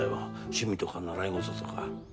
趣味とか習い事とか。